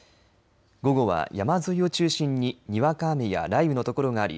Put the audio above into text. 午後は山沿いを中心ににわか雨や雷雨のところがあり